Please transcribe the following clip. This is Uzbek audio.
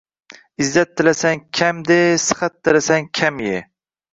Izzat tilasang kam de, Sihat tilasang kam ye.